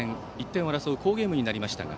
１点を争う好ゲームになりました。